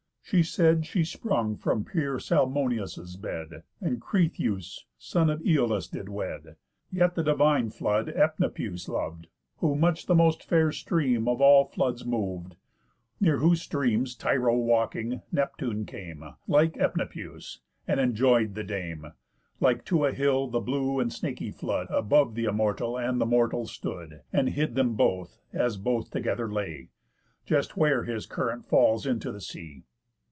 She said she sprung from pure Salmoneus' bed, And Cretheus, son of Æolus, did wed; Yet the divine flood Enipëus lov'd, Who much the most fair stream of all floods mov'd. Near whose streams Tyro walking, Neptune came, Like Enipëus, and enjoy'd the dame. Like to a hill, the blue and snaky flood Above th' immortal and the mortal stood, And hid them both, as both together lay, Just where his current falls into the sea.